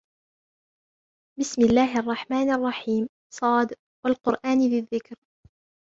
بِسْمِ اللَّهِ الرَّحْمَنِ الرَّحِيمِ ص وَالْقُرْآنِ ذِي الذِّكْرِ